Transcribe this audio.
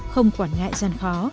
không quản ngại gian khó